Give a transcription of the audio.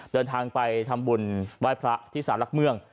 เดินทางไปทำบุญไหว้พระที่สารหลักเมือง